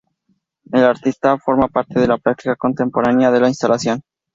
El artista forma parte de la práctica contemporánea de la instalación.